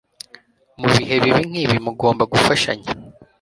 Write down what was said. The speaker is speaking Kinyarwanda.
Mu bihe bibi nkibi mugomba gufashanya